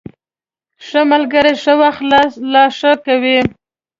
ښه ملګري ښه وخت لا ښه کوي.